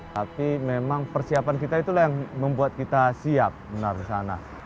tapi memang persiapan kita itulah yang membuat kita siap benar di sana